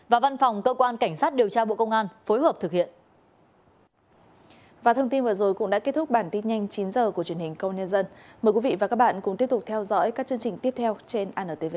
và văn phòng cơ quan cảnh sát điều tra bộ công an phối hợp thực hiện